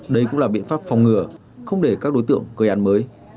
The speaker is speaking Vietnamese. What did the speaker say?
đây cũng là biện pháp phòng ngừa không để các đối tượng gây án mới